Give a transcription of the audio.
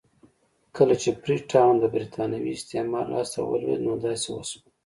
کله چې فري ټاون د برېټانوي استعمار لاس ته ولوېد نو داسې وشول.